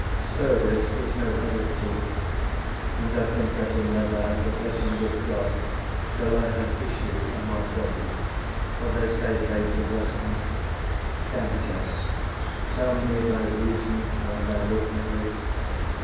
Service is no heritage, and I think I shall never have the blessing of God till I have issue of my body; for they say barnes are blessings. COUNTESS. Tell me thy reason why thou wilt marry.